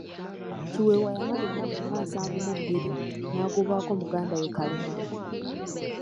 Kiweewa yamala ennaku nga nsanvu mu bbiri, n'agobwako muganda we Kalema.